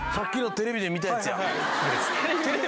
テレビで見たやつ？